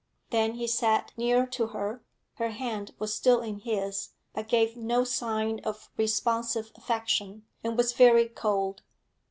Then he sat near to her; her hand was still in his, but gave no sign of responsive affection, and was very cold.